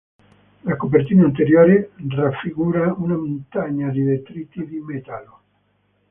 La copertina anteriore raffigura una montagna di detriti di metallo.